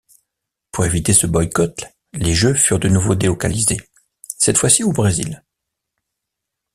Pour éviter ce boycott, les jeux furent de nouveau délocalisés, cette fois-ci au Brésil.